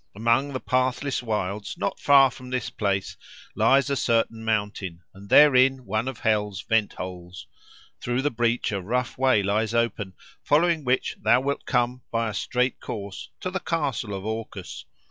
Among the pathless wilds not far from this place lies a certain mountain, and therein one of hell's vent holes. Through the breach a rough way lies open, following which thou wilt come, by straight course, to the castle of Orcus.